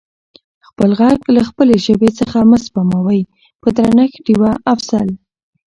خپل غږ له خپلې ژبې څخه مه سپموٸ په درنښت ډیوه افضل🙏